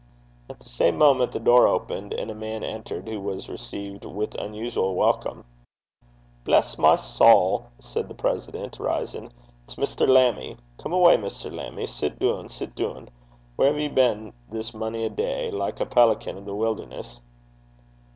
At the same moment the door opened, and a man entered, who was received with unusual welcome. 'Bless my sowl!' said the president, rising; 'it's Mr. Lammie! Come awa', Mr. Lammie. Sit doon; sit doon. Whaur hae ye been this mony a day, like a pelican o' the wilderness?'